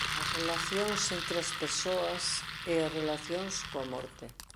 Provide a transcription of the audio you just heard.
As relacións entre as persoas e as relacións coa morte.